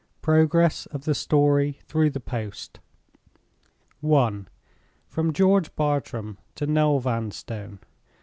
PROGRESS OF THE STORY THROUGH THE POST. I. From George Bartram to Noel Vanstone.